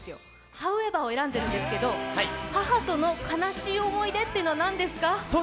「ＨＯＷＥＶＥＲ」を選んでるんですけど母との悲しい思い出っていうのは何ですか。